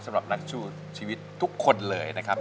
สำหรับนักสู้ชีวิตทุกคนเลยนะครับ